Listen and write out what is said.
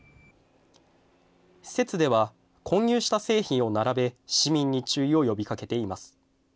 施設では、混入した製品を並べ、市民に注意を呼びかけています。